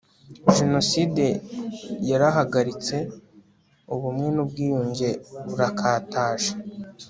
jenoside yarahagaritse, ubumwe n'ubwiyunge burakataje